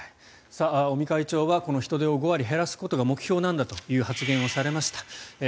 尾身会長は人出を５割減らすことが目標なんだという発言をされました。